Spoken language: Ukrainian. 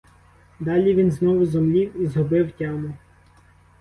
Далі він знову зомлів і згубив тяму.